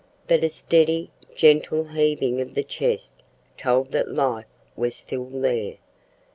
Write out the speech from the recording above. But a steady, gentle heaving of the chest told that life was still there.